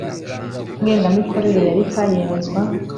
Ngengamikorere ya rica yemezwa